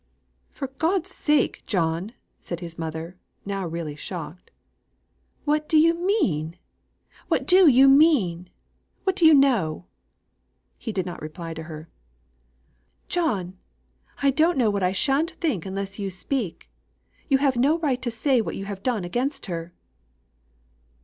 "For God's sake, John!" said his mother, now really shocked, "what do you mean? What do you mean? What do you know?" He did not reply to her. "John! I don't know what I shan't think unless you speak. You have no right to say what you have done against her."